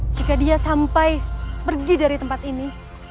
jika dia sampai pergi dari tempat ini